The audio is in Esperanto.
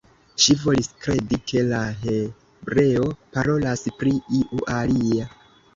Ŝi volis kredi, ke la hebreo parolas pri iu alia.